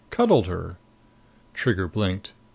Cuddled her." Trigger blinked.